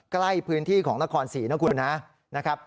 ใกล้พื้นที่ของนครศรีนะคุณนะครับ